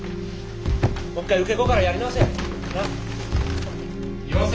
もう一回受け子からやり直せ。